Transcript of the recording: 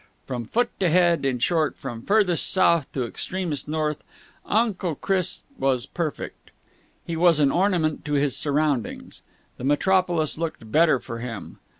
From foot to head, in short, from furthest South to extremest North, Uncle Chris was perfect. He was an ornament to his surroundings. The Metropolis looked better for him.